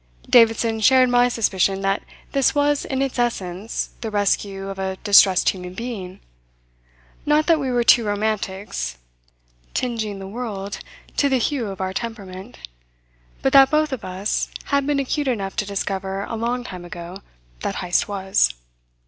Davidson shared my suspicion that this was in its essence the rescue of a distressed human being. Not that we were two romantics, tingeing the world to the hue of our temperament, but that both of us had been acute enough to discover a long time ago that Heyst was.